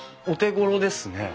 お手ごろですね。